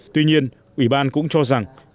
tuy nhiên ủy ban cũng cho rằng